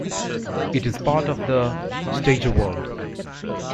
It is part of the Steigerwald.